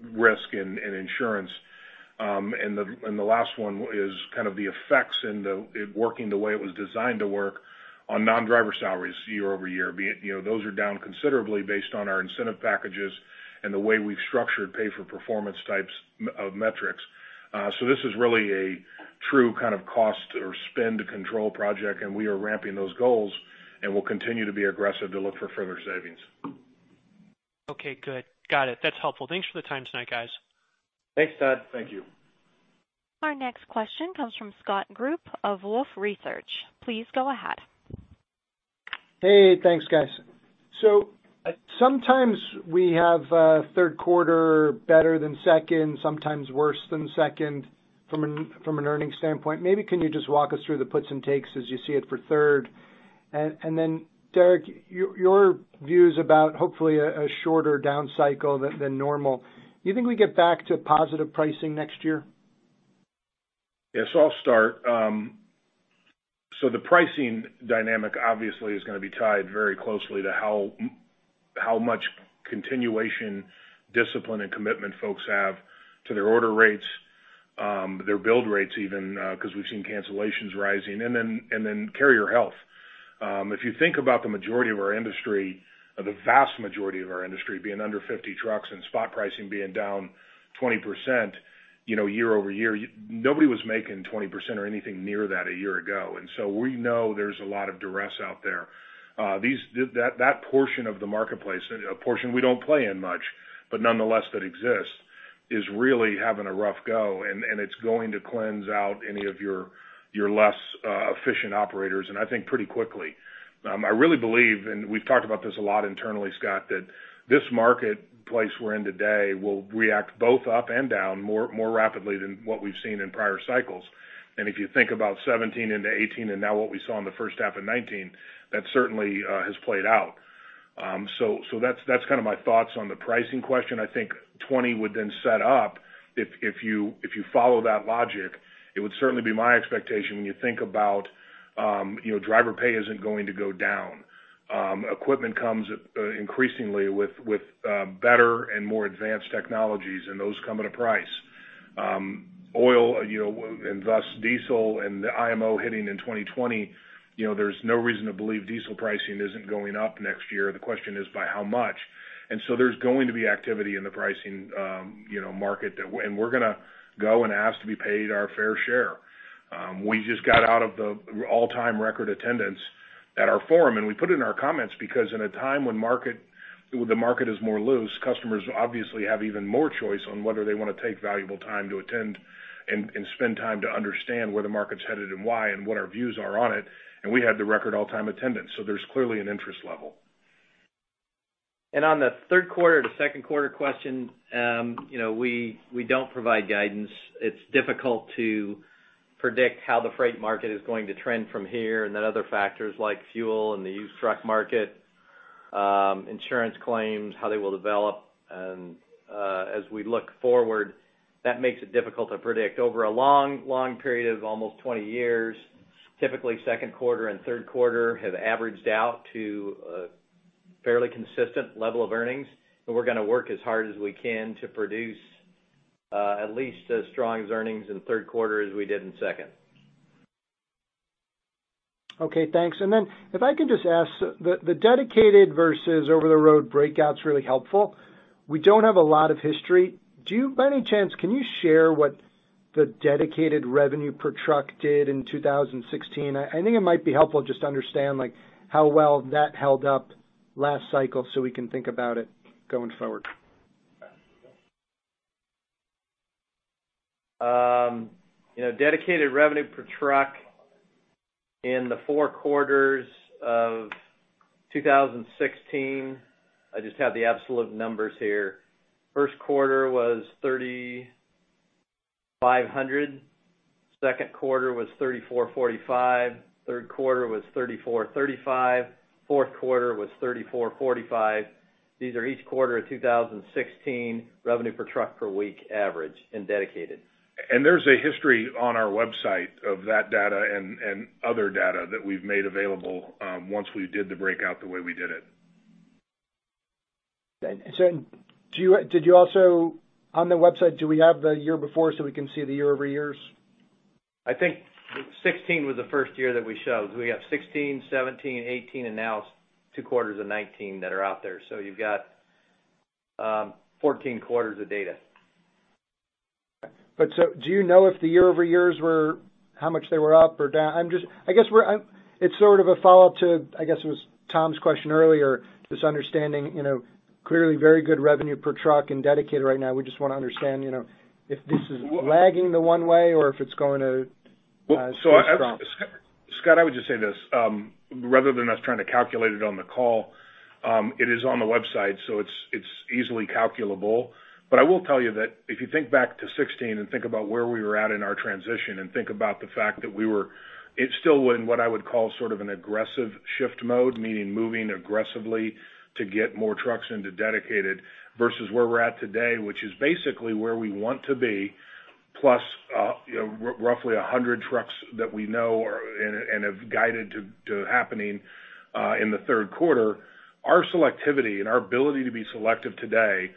risk and insurance. The last one is the effects of IT working the way it was designed to work on non-driver salaries year-over-year. Those are down considerably based on our incentive packages and the way we've structured pay-for-performance types of metrics. This is really a true cost or spend control project, and we are ramping those goals and will continue to be aggressive to look for further savings. Okay, good. Got it. That's helpful. Thanks for the time tonight, guys. Thanks, Todd. Thank you. Our next question comes from Scott Group of Wolfe Research. Please go ahead. Hey, thanks guys. Sometimes we have third quarter better than second, sometimes worse than second from an earnings standpoint. Maybe can you just walk us through the puts and takes as you see it for third? Then Derek, your views about hopefully a shorter down cycle than normal. You think we get back to positive pricing next year? Yes. I'll start. The pricing dynamic obviously is going to be tied very closely to how much continuation discipline and commitment folks have to their order rates, their build rates even, because we've seen cancellations rising, and then carrier health. If you think about the majority of our industry, the vast majority of our industry being under 50 trucks and spot pricing being down 20% year-over-year, nobody was making 20% or anything near that a year ago. We know there's a lot of duress out there. That portion of the marketplace, a portion we don't play in much, but nonetheless that exists, is really having a rough go, and it's going to cleanse out any of your less efficient operators, and I think pretty quickly. I really believe, and we've talked about this a lot internally, Scott, that this marketplace we're in today will react both up and down more rapidly than what we've seen in prior cycles. If you think about 2017 and 2018, and now what we saw in the first half of 2019, that certainly has played out. That's my thoughts on the pricing question. I think 2020 would then set up, if you follow that logic, it would certainly be my expectation when you think about driver pay isn't going to go down. Equipment comes increasingly with better and more advanced technologies, and those come at a price. Oil, and thus diesel and the IMO hitting in 2020, there's no reason to believe diesel pricing isn't going up next year. The question is by how much. There's going to be activity in the pricing market, and we're going to go and ask to be paid our fair share. We just got out of the all-time record attendance at our Forum, and we put it in our comments because in a time when the market is more loose, customers obviously have even more choice on whether they want to take valuable time to attend and spend time to understand where the market's headed and why and what our views are on it, and we had the record all-time attendance. There's clearly an interest level. On the third quarter to second quarter question, we don't provide guidance. It's difficult to predict how the freight market is going to trend from here, and then other factors like fuel and the used truck market, insurance claims, how they will develop. As we look forward, that makes it difficult to predict. Over a long period of almost 20 years, typically second quarter and third quarter have averaged out to a fairly consistent level of earnings, and we're going to work as hard as we can to produce at least as strong as earnings in the third quarter as we did in second. Okay, thanks. If I can just ask, the dedicated versus over-the-road breakout's really helpful. We don't have a lot of history. By any chance, can you share what the dedicated revenue per truck did in 2016? I think it might be helpful just to understand how well that held up last cycle so we can think about it going forward. Dedicated revenue per truck in the four quarters of 2016, I just have the absolute numbers here. First quarter was $3,500. Second quarter was $3,445. Third quarter was $3,435. Fourth quarter was $3,445. These are each quarter of 2016 revenue per truck per week average in dedicated. There's a history on our website of that data and other data that we've made available once we did the breakout the way we did it. On the website, do we have the year before so we can see the year-over-year? I think 2016 was the first year that we showed. We have 2016, 2017, 2018, and now two quarters of 2019 that are out there. You've got 14 quarters of data. Do you know if the year-over-years, how much they were up or down? It's sort of a follow-up to, I guess it was Tom's question earlier, just understanding clearly very good revenue per truck in dedicated right now. We just want to understand if this is lagging the one way or if it's going to stay strong. Scott, I would just say this. Rather than us trying to calculate it on the call, it is on the website, so it's easily calculable. I will tell you that if you think back to 2016 and think about where we were at in our transition, and think about the fact that it still was in what I would call sort of an aggressive shift mode, meaning moving aggressively to get more trucks into dedicated versus where we're at today, which is basically where we want to be, plus roughly 100 trucks that we know and have guided to happening in the third quarter. Our selectivity and our ability to be selective today,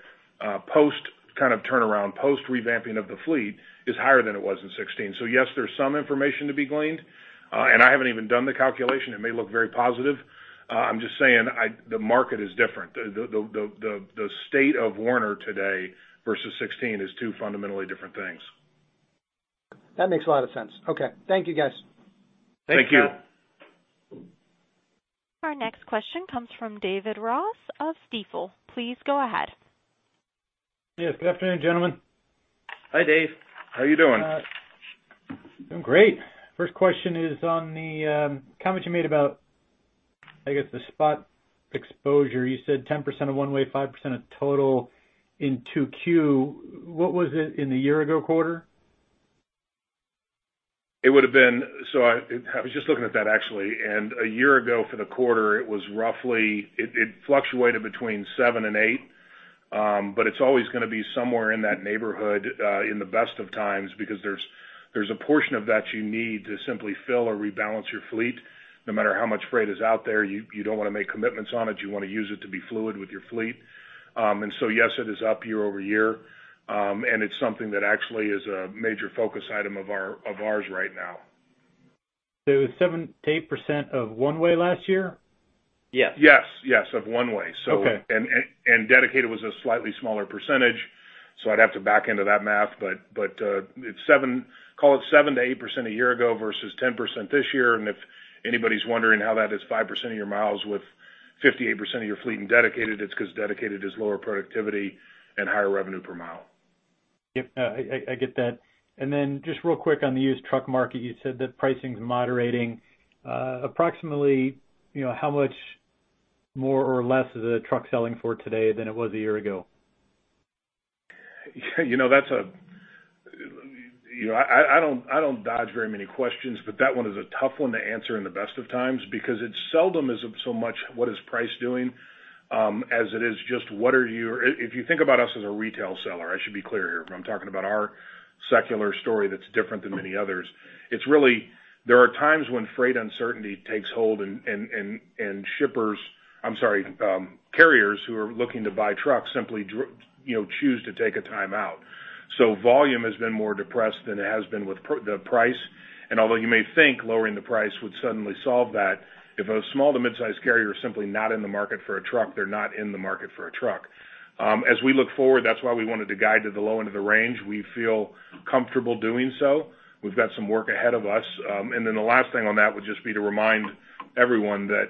post turnaround, post revamping of the fleet, is higher than it was in 2016. Yes, there's some information to be gleaned. I haven't even done the calculation. It may look very positive. I'm just saying the market is different. The state of Werner today versus 2016 is two fundamentally different things. That makes a lot of sense. Okay. Thank you, guys. Thank you. Thank you. Our next question comes from David Ross of Stifel. Please go ahead. Yes. Good afternoon, gentlemen. Hi, Dave. How are you doing? Doing great. First question is on the comment you made about, I guess, the spot exposure. You said 10% of one way, 5% of total in 2Q. What was it in the year ago quarter? I was just looking at that, actually. A year ago for the quarter, it fluctuated between seven and eight. It's always going to be somewhere in that neighborhood in the best of times because there's a portion of that you need to simply fill or rebalance your fleet. No matter how much freight is out there, you don't want to make commitments on it. You want to use it to be fluid with your fleet. Yes, it is up year-over-year. It's something that actually is a major focus item of ours right now. it was 7%-8% of one-way last year? Yes. Of one-way. Okay. Dedicated was a slightly smaller percentage, so I'd have to back into that math. Call it 7%-8% a year ago versus 10% this year. If anybody's wondering how that is 5% of your miles with 58% of your fleet in dedicated, it's because dedicated is lower productivity and higher revenue per mile. Yep. I get that. Just real quick on the used truck market, you said that pricing's moderating. Approximately how much more or less is a truck selling for today than it was a year ago? I don't dodge very many questions, but that one is a tough one to answer in the best of times, because it seldom is so much what is price doing, as it is just If you think about us as a retail seller, I should be clear here. If I'm talking about our secular story, that's different than many others. There are times when freight uncertainty takes hold and carriers who are looking to buy trucks simply choose to take a time out. Volume has been more depressed than it has been with the price. Although you may think lowering the price would suddenly solve that, if a small to mid-size carrier is simply not in the market for a truck, they're not in the market for a truck. As we look forward, that's why we wanted to guide to the low end of the range. We feel comfortable doing so. We've got some work ahead of us. The last thing on that would just be to remind everyone that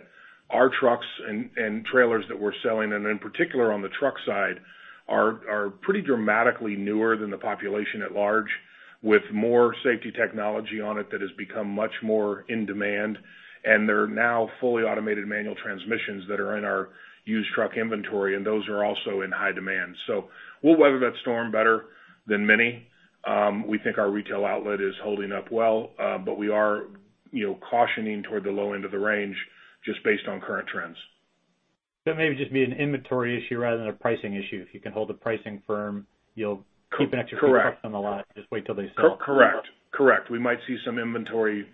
our trucks and trailers that we're selling, and in particular on the truck side, are pretty dramatically newer than the population at large, with more safety technology on it that has become much more in demand. There are now fully automated manual transmissions that are in our used truck inventory, and those are also in high demand. We'll weather that storm better than many. We think our retail outlet is holding up well. We are cautioning toward the low end of the range just based on current trends. That may just be an inventory issue rather than a pricing issue. If you can hold the pricing firm, you'll keep an extra- Correct. ,,,few trucks on the lot, and just wait till they sell. Correct. We might see some inventory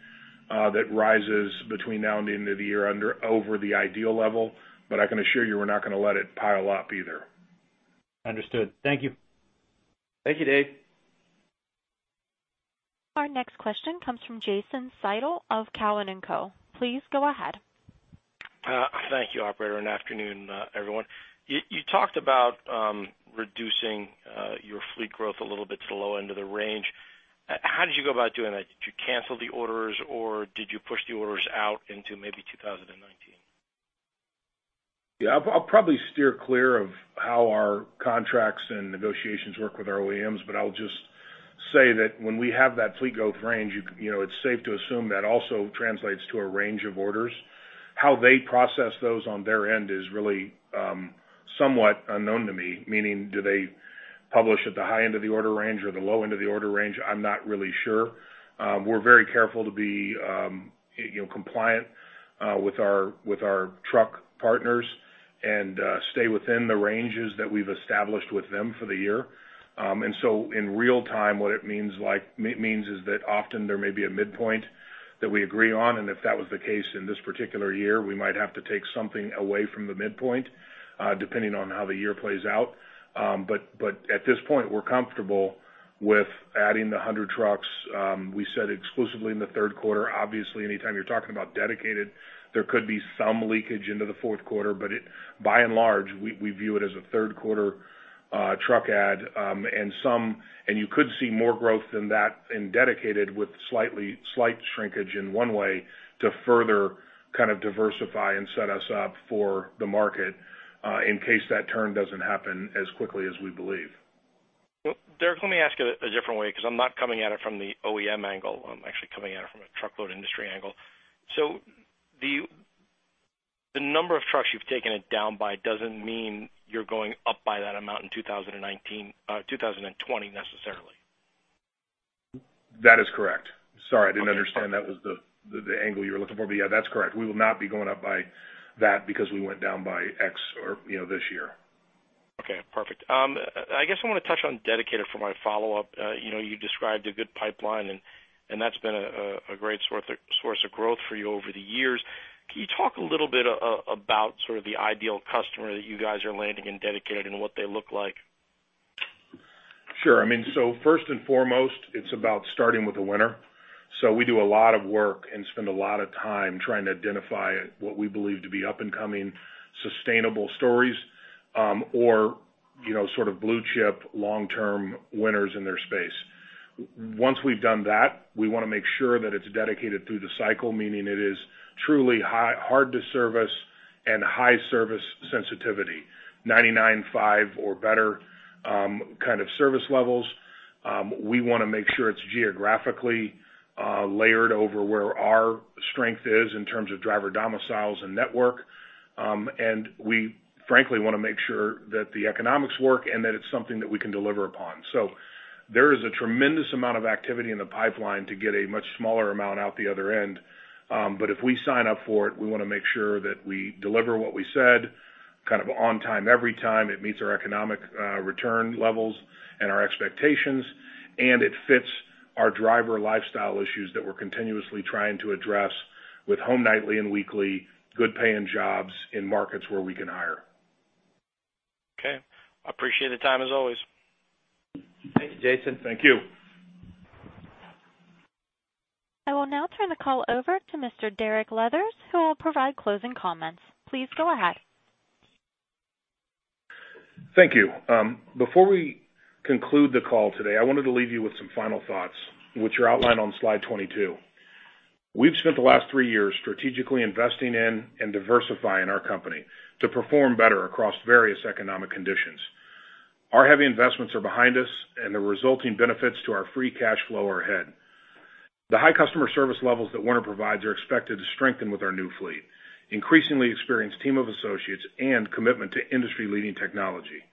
that rises between now and the end of the year over the ideal level. I can assure you, we're not going to let it pile up either. Understood. Thank you. Thank you, Dave. Our next question comes from Jason Seidl of Cowen and Company. Please go ahead. Thank you, operator. Afternoon everyone. You talked about reducing your fleet growth a little bit to the low end of the range. How did you go about doing that? Did you cancel the orders or did you push the orders out into maybe 2019? Yeah, I'll probably steer clear of how our contracts and negotiations work with our OEMs, but I'll just say that when we have that fleet growth range, it's safe to assume that also translates to a range of orders. How they process those on their end is really somewhat unknown to me, meaning do they publish at the high end of the order range or the low end of the order range? I'm not really sure. We're very careful to be compliant with our truck partners and stay within the ranges that we've established with them for the year. In real time, what it means is that often there may be a midpoint that we agree on, and if that was the case in this particular year, we might have to take something away from the midpoint, depending on how the year plays out. At this point, we're comfortable with adding the 100 trucks. We said exclusively in the third quarter. Obviously, anytime you're talking about dedicated, there could be some leakage into the fourth quarter, but by and large, we view it as a third quarter truck add. You could see more growth than that in dedicated with slight shrinkage in one way to further kind of diversify and set us up for the market, in case that turn doesn't happen as quickly as we believe. Derek, let me ask it a different way, because I'm not coming at it from the OEM angle. I'm actually coming at it from a truckload industry angle. The number of trucks you've taken it down by doesn't mean you're going up by that amount in 2019 or 2020 necessarily. That is correct. Sorry, I didn't understand that was the angle you were looking for. Yeah, that's correct. We will not be going up by that because we went down by X this year. Okay, perfect. I guess I want to touch on dedicated for my follow-up. You described a good pipeline, and that's been a great source of growth for you over the years. Can you talk a little bit about sort of the ideal customer that you guys are landing in dedicated and what they look like? Sure. I mean, first and foremost, it's about starting with a winner. We do a lot of work and spend a lot of time trying to identify what we believe to be up and coming sustainable stories, or sort of blue chip long-term winners in their space. Once we've done that, we want to make sure that it's dedicated through the cycle, meaning it is truly hard to service and high service sensitivity, 99.5 or better kind of service levels. We want to make sure it's geographically layered over where our strength is in terms of driver domiciles and network. We frankly want to make sure that the economics work and that it's something that we can deliver upon. There is a tremendous amount of activity in the pipeline to get a much smaller amount out the other end. If we sign up for it, we want to make sure that we deliver what we said, kind of on time every time, it meets our economic return levels and our expectations, and it fits our driver lifestyle issues that we're continuously trying to address with home nightly and weekly good paying jobs in markets where we can hire. Okay. I appreciate the time, as always. Thank you, Jason. Thank you. I will now turn the call over to Mr. Derek Leathers, who will provide closing comments. Please go ahead. Thank you. Before we conclude the call today, I wanted to leave you with some final thoughts, which are outlined on slide 22. We've spent the last three years strategically investing in and diversifying our company to perform better across various economic conditions. Our heavy investments are behind us, and the resulting benefits to our free cash flow are ahead. The high customer service levels that Werner provides are expected to strengthen with our new fleet, increasingly experienced team of associates, and commitment to industry-leading technology.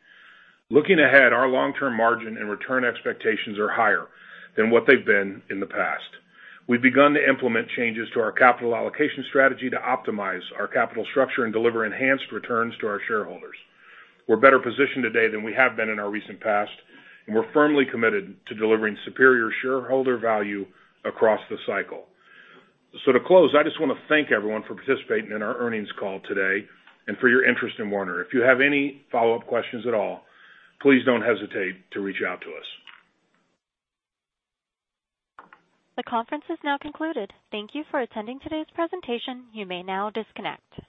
Looking ahead, our long-term margin and return expectations are higher than what they've been in the past. We've begun to implement changes to our capital allocation strategy to optimize our capital structure and deliver enhanced returns to our shareholders. We're better positioned today than we have been in our recent past, and we're firmly committed to delivering superior shareholder value across the cycle. To close, I just want to thank everyone for participating in our earnings call today and for your interest in Werner. If you have any follow-up questions at all, please don't hesitate to reach out to us. The conference is now concluded. Thank you for attending today's presentation. You may now disconnect.